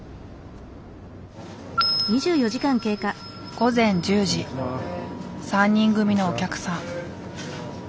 午前１０時３人組のお客さん。